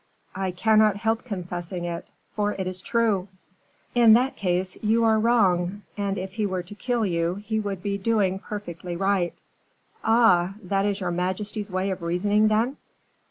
"I cannot help confessing it, for it is true." "In that case, you are wrong; and if he were to kill you, he would be doing perfectly right." "Ah! that is your majesty's way of reasoning, then!"